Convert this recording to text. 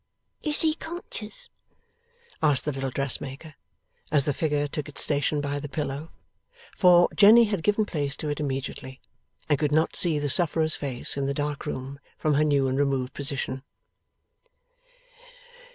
'Is he conscious?' asked the little dressmaker, as the figure took its station by the pillow. For, Jenny had given place to it immediately, and could not see the sufferer's face, in the dark room, from her new and removed position.